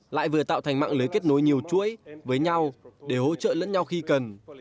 lại vừa tạo thành mạng lưới kết nối nhiều chuỗi với nhau để hỗ trợ lẫn nhau khi cần